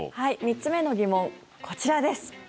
３つ目の疑問こちらです。